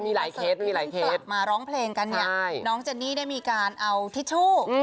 มันมีหลายเคสมาร้องเพลงกันนางเจนี่ได้มีการเอาทิชชู